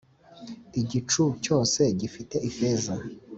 igicu cyose gifite ifeza